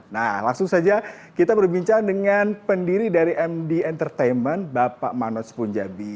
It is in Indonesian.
nah langsung saja kita berbincang dengan pendiri dari md entertainment bapak manoj s punjabi